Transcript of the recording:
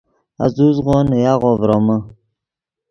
آزوزغو نے یاغو ڤرومے